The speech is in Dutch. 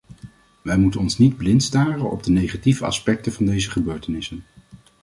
Wij moeten ons niet blindstaren op de negatieve aspecten van deze gebeurtenissen.